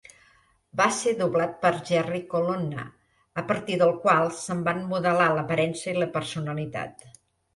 Va ser doblat per Jerry Colonna, a partir del qual se'n va modelar l'aparença i la personalitat.